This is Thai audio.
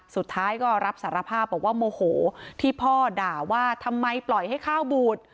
สุดท้ายก็รับสารภาพบอกว่าโมโหที่พ่อด่าว่าทำไมปล่อยให้ข้าวบูด